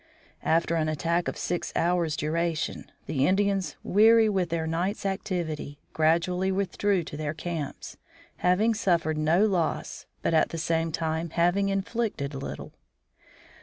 After an attack of six hours' duration the Indians, weary with their night's activity, gradually withdrew to their camps, having suffered no loss, but at the same time having inflicted little.